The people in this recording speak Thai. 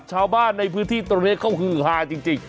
ชาวบ้านในพื้นที่ตรงนี้เขาฮือฮาจริง